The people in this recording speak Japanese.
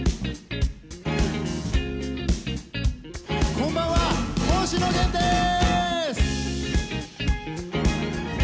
こんばんは、星野源でーす。